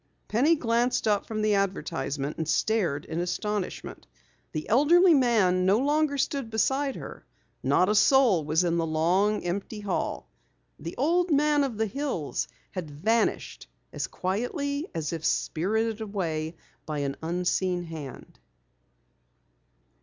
Penny glanced up from the advertisement and stared in astonishment. The elderly man no longer stood beside her. Not a soul was in the long empty hall. The old man of the hills had vanished as quietly as if spirited away by an unseen hand.